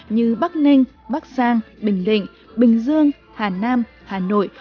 như bắc ninh bắc giang bình định bình dương hà nam hà nội